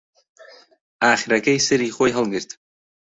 ئاخرەکەی سەری خۆی هەڵگرت